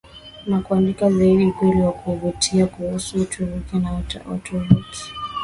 na kuandika zaidi Ukweli wa kuvutia kuhusu Uturuki na Waturuki